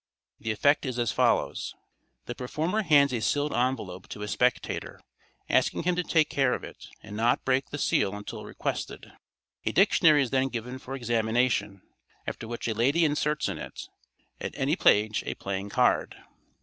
The effect is as follows:— The performer hands a sealed envelope to a spectator, asking him to take care of it, and not break the seal until requested. A dictionary is then given for examination, after which a lady inserts in it, at any page, a playing card.